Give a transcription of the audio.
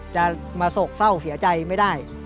จะมาโศกเศร้าเสียใจไม่ได้